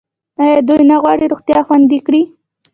آیا دوی نه غواړي روغتیا خوندي کړي؟